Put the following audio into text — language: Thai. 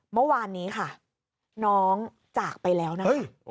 เมื่อวานนี้ค่ะน้องจากไปแล้วนะคะ